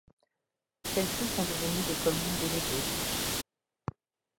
Celles-ci sont devenues des communes déléguées.